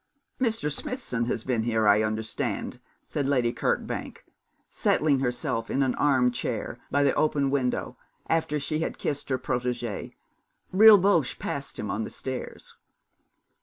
'Mr. Smithson has been here, I understand,' said Lady Kirkbank, settling herself in an arm chair by the open window, after she had kissed her protégée. 'Rilboche passed him on the stairs.'